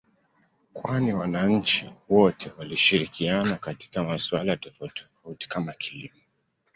kwani wananchi wote walishirikiana katika masuala tofauti tofauti kama kilimo